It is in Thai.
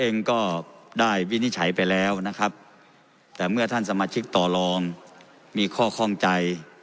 เองก็ได้วินิจฉัยไปแล้วนะครับแต่เมื่อท่านสมาชิกต่อรองมีข้อข้องใจ